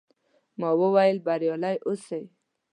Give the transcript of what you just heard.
ما وویل، بریالي اوسئ.